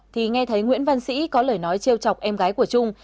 thì nghe thấy nguyễn văn sĩ có lời nói treo chọc em gái của trung